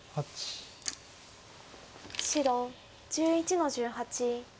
白１１の十八。